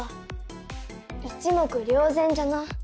一目瞭然じゃな。